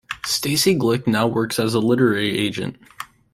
Stacey Glick now works as a literary agent.